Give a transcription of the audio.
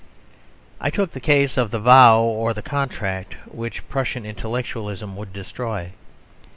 I took the case of the vow or the contract, which Prussian intellectualism would destroy.